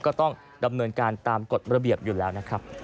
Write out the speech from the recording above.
ก็ต้องดำเนินการตามกฎระเบียบอยู่แล้วนะครับ